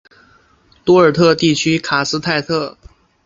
多尔特地区卡斯泰特。